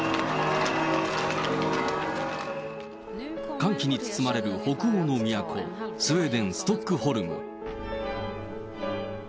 歓喜に包まれる北欧の都、スウェーデン・ストックホルム。